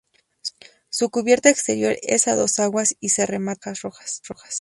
Su cubierta exterior es a dos aguas y se remata con tejas rojas.